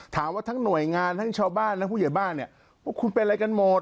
ทั้งหน่วยงานทั้งชาวบ้านและผู้ใหญ่บ้านเนี่ยว่าคุณเป็นอะไรกันหมด